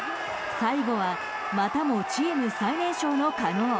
最後はまたもチーム最年少の加納。